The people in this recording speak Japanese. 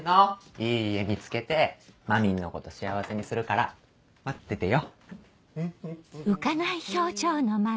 いい家見つけてまみんのこと幸せにするから待っててよ！